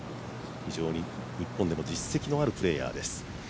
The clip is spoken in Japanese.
日本でも実績のあるプレーヤーです。